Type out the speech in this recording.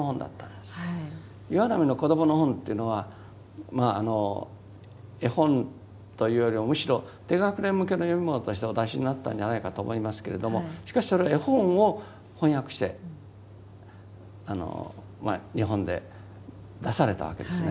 岩波の子どもの本というのは絵本というよりもむしろ低学年向けの読みものとしてお出しになったんじゃないかと思いますけれどもしかしそれは絵本を翻訳して日本で出されたわけですね。